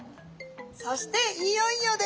そしていよいよです！